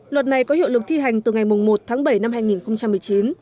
luật này có hiệu lực thi hành từ ngày một tháng bảy năm hai nghìn một mươi chín